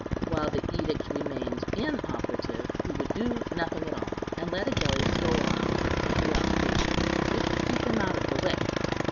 While the edict remained inoperative, he would do nothing at all, and let Agellius go on with his country occupations, which would keep him out of the way.